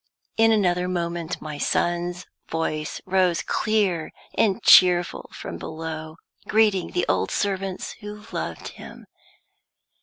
In another moment my son's voice rose clear and cheerful from below, greeting the old servants who loved him.